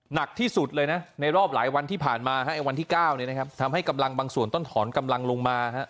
หนักที่สุดเลยนะในรอบหลายวันที่ผ่านมาวันที่๙ทำให้กำลังบางส่วนต้องถอนกำลังลงมา